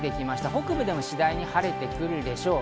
北部でも次第に晴れてくるでしょう。